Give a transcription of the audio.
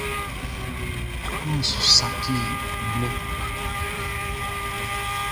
Amun su saci e blɛ.